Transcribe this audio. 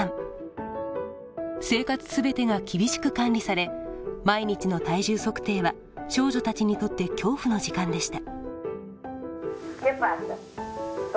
生活全てが厳しく管理され毎日の体重測定は少女たちにとって恐怖の時間でした。